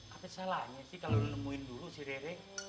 apa salahnya sih kalo lo nemuin dulu si rere